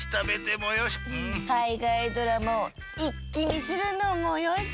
かいがいドラマをいっきみするのもよし。